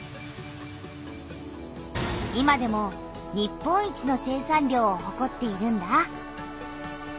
今でも日本一の生産量をほこっているんだ。